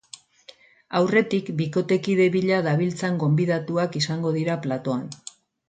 Aurretik, bikotekide bila dabiltzan gonbidatuak izango dira platoan.